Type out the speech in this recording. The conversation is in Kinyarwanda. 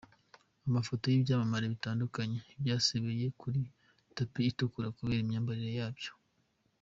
Amafoto y’ibyamamare bitandukanye byasebeye kuri tapi itukura kubera imyimbarire yabyo.